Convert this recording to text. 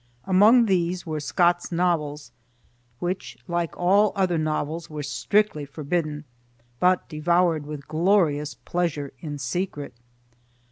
Among these were Scott's novels, which, like all other novels, were strictly forbidden, but devoured with glorious pleasure in secret.